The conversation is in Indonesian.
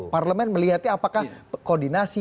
parlemen melihatnya apakah koordinasi